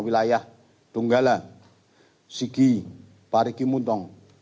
wilayah dunggala sigi parikimuntong